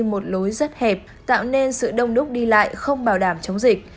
một lối rất hẹp tạo nên sự đông đúc đi lại không bảo đảm chống dịch